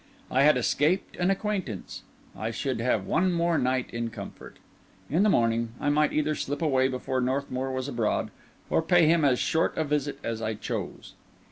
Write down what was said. I had escaped an acquaintance; I should have one more night in comfort. In the morning, I might either slip away before Northmour was abroad, or pay him as short a visit as I chose.